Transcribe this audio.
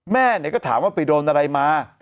แม่ก็ถามว่าไปโดนอะไรมา